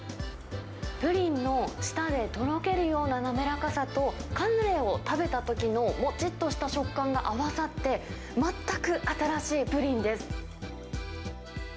プリンの舌でとろけるような滑らかさと、カヌレを食べたときのもちっとした食感が合わさって、全く新しいプリンです。